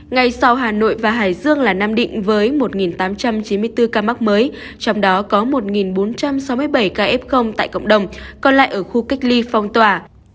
ngay sau hà nội và hải dương là nam định với một tám trăm chín mươi bốn ca mắc mới trong đó có một bốn trăm sáu mươi bảy ca f tại cộng đồng còn lại ở khu cách ly phong tỏa